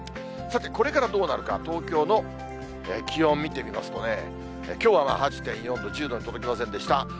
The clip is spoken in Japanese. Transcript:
さてこれからどうなるか、東京の気温見てみますとね、きょうは８．４度、１０度に届きませんでした。